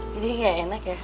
jadi gak enak ya